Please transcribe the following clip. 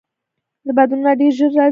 بدلونونه ډیر ژر راځي.